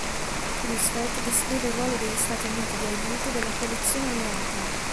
Roosevelt descrive il ruolo degli Stati Uniti di aiuto della coalizione alleata.